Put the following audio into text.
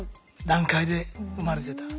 段階で生まれてた。